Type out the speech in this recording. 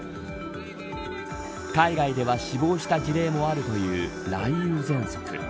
海外では、死亡した事例もあるという雷雨ぜんそく。